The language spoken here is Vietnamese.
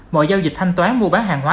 mọi giao dịch thanh toán mua bán hàng hóa